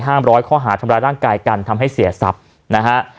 ร้อยข้อหาทำร้ายร่างกายกันทำให้เสียทรัพย์นะฮะ